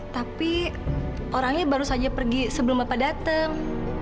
tapi orangnya baru saja pergi sebelum bapak datang